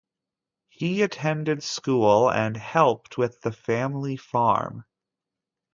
He attended school and helped with the family farm.